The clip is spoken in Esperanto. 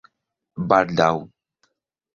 baldaŭ